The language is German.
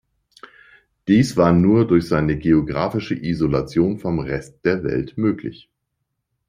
Dies war nur durch seine geografische Isolation vom Rest der Welt möglich.